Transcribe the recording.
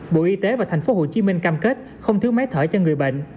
bộ y tế và tp hcm cam kết không thiếu máy thở cho người bệnh